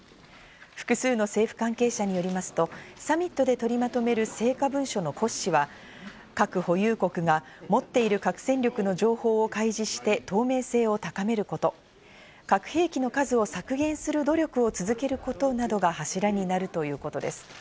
複数の政府関係者によりますと、サミットで取りまとめる成果文書の骨子は核保有国が持っている核戦力の情報を開示して透明性を高めること、核兵器の数を削減する努力を続けることなどが柱になるということです。